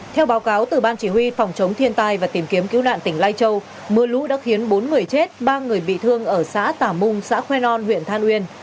theo báo cáo từ ban chỉ huy phòng chống thiên tai và tìm kiếm cứu nạn tỉnh lai châu mưa lũ đã khiến bốn người chết ba người bị thương ở xã tà mung xã khoe non huyện than uyên